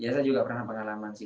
ya saya juga pernah pengalaman sih